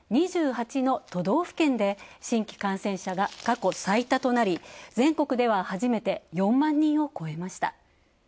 ２８の都道府県で新規感染者が過去最多となり、全国では初めて４万人を超えました。